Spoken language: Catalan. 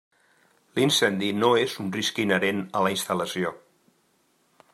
L'incendi no és un risc inherent a la instal·lació.